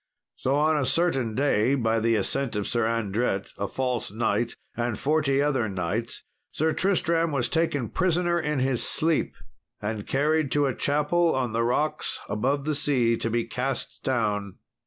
So on a certain day, by the assent of Sir Andret, a false knight, and forty other knights, Sir Tristram was taken prisoner in his sleep and carried to a chapel on the rocks above the sea to be cast down.